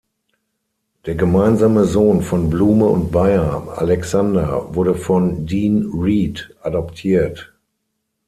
Der gemeinsame Sohn von Blume und Beyer, Alexander, wurde von Dean Reed adoptiert.